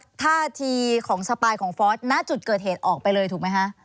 ท่าทีของสปายของฟอสณจุดเกิดเหตุออกไปเลยถูกไหมคะ